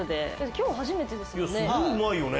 今日初めてですよね。